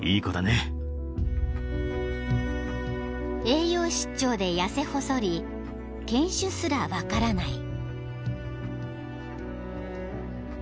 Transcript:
［栄養失調で痩せ細り犬種すら分からない］